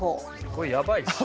これやばいっすね。